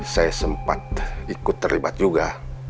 saya sempat ikut terlibat juga